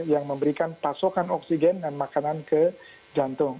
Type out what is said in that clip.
yang memberikan pasokan oksigen dan makanan ke jantung